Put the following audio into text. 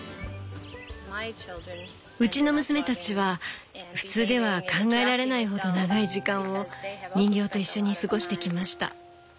うちの娘たちは普通では考えられないほど長い時間を人形と一緒に過ごしてきました。